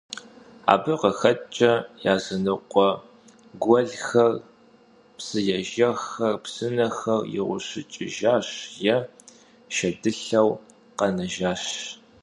Abı khıxeç'ıu yazınıkhue guelxer, psıêjjexxer, psınexer yiğuşıç'ıjjaş yê şşedılheu khenejjaş.